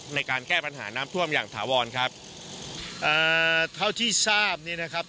ในการแก้ปัญหาน้ำท่วมอย่างถาวรครับอ่าเท่าที่ทราบนี่นะครับ